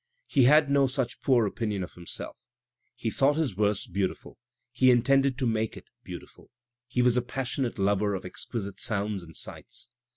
He had no such poor opinion of himself; he thought his verse beautiful, he intended to make it beautiful, he was a passionate lover of exquisite sounds and sights.